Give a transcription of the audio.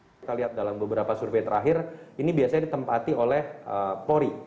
kita lihat dalam beberapa survei terakhir ini biasanya ditempati oleh pori